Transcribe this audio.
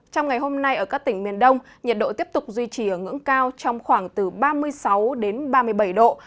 trong ngày hôm nay ở các tỉnh miền đông nhiệt độ tiếp tục duy trì ở ngưỡng cao trong khoảng từ ba mươi sáu đến ba mươi bảy độ